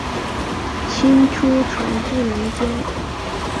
清初传至民间。